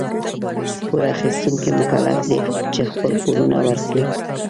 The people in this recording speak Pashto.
پور اخيستونکي مکلف دي چي خپل پورونه ورکړي.